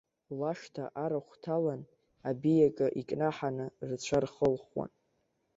Лашҭа арахә ҭалар, абиаҿы икнаҳаны, рцәа рхылхуан.